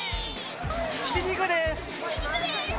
ひき肉です。